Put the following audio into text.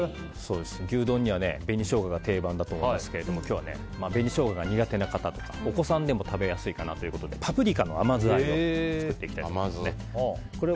牛丼には紅ショウガが定番だと思いますけども今日は、紅ショウガが苦手な方とかお子様でも食べやすいかなということでパプリカの甘酢あえを作っていきたいと思います。